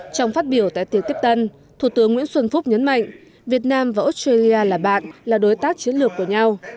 trong phát biểu tại tiệc tiếp tân thủ tướng nguyễn xuân phúc nhấn mạnh việt nam và australia là bạn là đối tác chiến lược của nhau